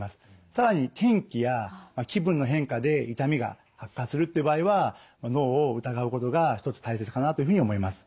更に天気や気分の変化で痛みが悪化するっていう場合は脳を疑うことが一つ大切かなというふうに思います。